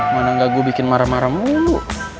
mana gak gue bikin marah marah mulu